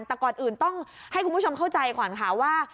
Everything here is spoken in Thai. แต่ก่อนอื่นต้องให้คุณผู้ชมเข้าใจก่อนค่ะว่า